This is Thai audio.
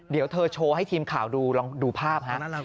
เดี๋ยวเธอโชว์ให้ทีมข่าวดูลองดูภาพฮะ